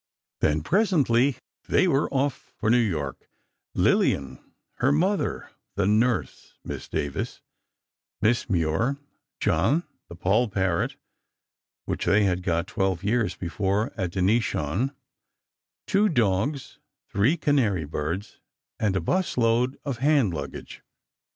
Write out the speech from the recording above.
Then, presently, they were off for New York; Lillian, her Mother; the nurse, Miss Davies; Miss Moir; John, the poll parrot, which they had got twelve years before at Denishawn; two dogs; three canary birds, and a bus load of hand luggage.